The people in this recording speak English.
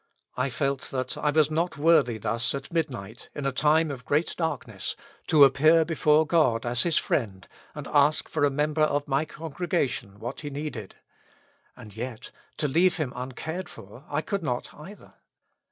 I felt that I was not worthy thus at midnight, in a time of great darkness, to appear before God as His friend, and ask for a member of my con gregation what he needed. And yet, to leave him uncared for, I could not either.